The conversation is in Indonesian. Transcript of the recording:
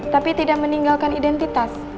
tapi tidak meninggalkan identitas